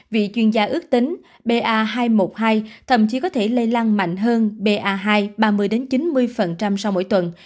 vì chuyên gia ước tính ba hai một hai thậm chí có thể lây lan mạnh hơn ba hai ba mươi chín mươi sau mỗi tuần